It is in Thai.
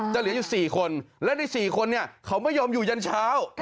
เหลืออยู่๔คนและใน๔คนเขาไม่ยอมอยู่ยันเช้า